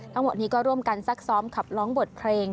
ทั้งหมดนี้ก็ร่วมกันซักซ้อมขับร้องบทเพลง